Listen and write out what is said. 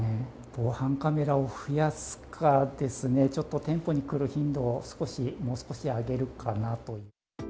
防犯カメラを増やすかですね、ちょっと店舗に来る頻度を少し、もう少し上げるかなという。